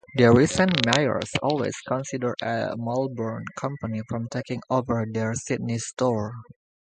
They resented Myer, always considered a Melbourne company from taking over their Sydney store.